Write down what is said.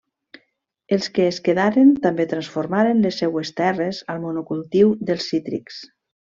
Els que es quedaren, també transformaren les seues terres al monocultiu dels cítrics.